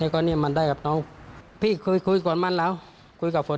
ก็เนี่ยมันได้กับน้องพี่คุยคุยก่อนมันแล้วคุยกับฝน